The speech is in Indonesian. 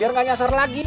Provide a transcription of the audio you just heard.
biar gak nyasar lagi